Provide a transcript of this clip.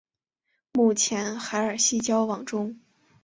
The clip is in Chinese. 目前与海尔希交往中。